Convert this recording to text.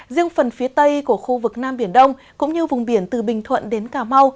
riêng phần phía tây của khu vực nam biển đông cũng như vùng biển từ bình thuận đến cà mau